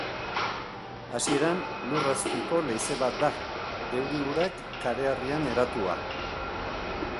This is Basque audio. Hasieran, lur azpiko leize bat da, euri urak kareharrian eratua.